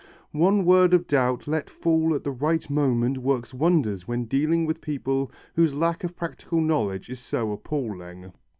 One word of doubt let fall at the right moment works wonders when dealing with people whose lack of practical knowledge is so appalling.